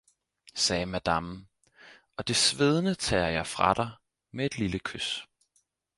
sagde madammen, og det svedne tager jeg fra dig med et lille kys.